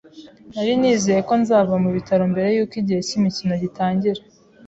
Nari nizeye ko nzava mu bitaro mbere yuko igihe cy'imikino gitangira.